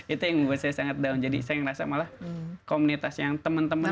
itu yang membuat saya sangat down jadi saya merasa malah komunitas yang teman teman